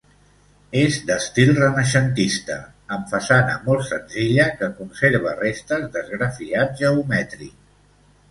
És d'estil renaixentista, amb façana molt senzilla que conserva restes d'esgrafiat geomètric.